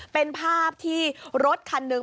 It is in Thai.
เป็นภาพที่รถคันหนึ่ง